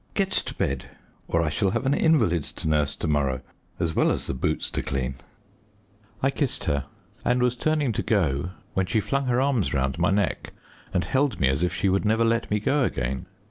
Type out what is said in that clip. Get to bed, or I shall have an invalid to nurse to morrow as well as the boots to clean." I kissed her and was turning to go, when she flung her arms round my neck, and held me as if she would never let me go again.